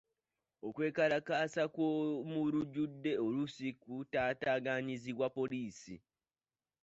Okwekalakaasa okw'omulujjudde oluusi kutaataaganyizibwa poliisi.